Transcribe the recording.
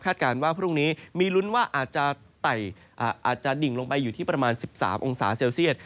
การว่าพรุ่งนี้มีลุ้นว่าอาจจะดิ่งลงไปอยู่ที่ประมาณ๑๓องศาเซลเซียต